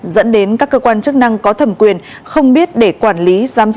dẫn đến các cơ quan chức năng có thẩm quyền không biết để quản lý giám sát